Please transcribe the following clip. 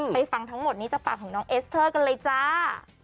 ฟังทั้งหมดนี้จากปากของน้องเอสเตอร์กันเลยจ้า